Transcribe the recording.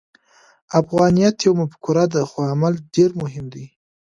افغانیت یوه مفکوره ده، خو عمل ډېر مهم دی.